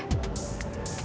dia masih ragu sama gue